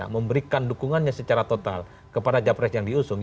memberikan dukungannya secara total kepada capres yang diusung